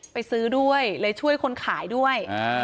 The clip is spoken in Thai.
ไปซื้อด้วยเลยช่วยคนขายด้วย